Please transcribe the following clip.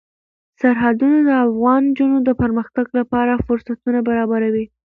سرحدونه د افغان نجونو د پرمختګ لپاره فرصتونه برابروي.